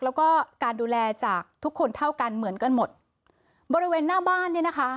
แล้วก็การดูแลจากทุกคนเท่ากันเหมือนกันหมดบริเวณหน้าบ้านเนี่ยนะคะ